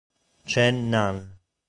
Chen Nan